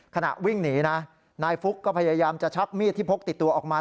ขณะวิ่งหนีนะนายฟุ๊กก็พยายามจะชักมีดที่พกติดตัวออกมา